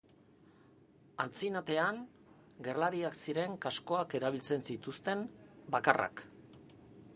Antzinatean, gerlariak ziren kaskoak erabiltzen zituzten bakarrak.